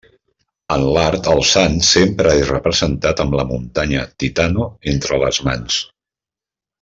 En l'art el sant sempre és representat amb la muntanya Titano entre les mans.